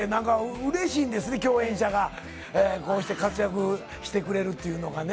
うれしいんですね、共演者がこうして活躍してくれるっていうのがね。